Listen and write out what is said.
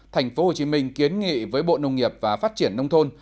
thành phố hồ chí minh kiến nghị với bộ nông nghiệp và phát triển nông thôn